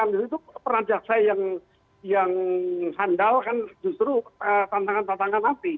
itu peran jaksa yang handal kan justru tantangan tantangan nanti